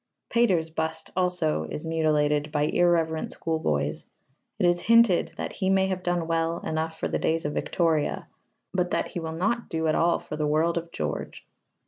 Pater's bust also is mutilated by irreverent schoolboys: it is hinted that he may have done well enough for the days of Victoria, but that he will not do at all for the world of George.